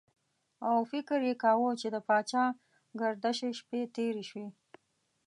او فکر یې کاوه چې د پاچاګردشۍ شپې تېرې شوې.